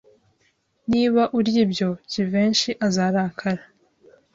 Niba urya ibyo, Jivency azarakara.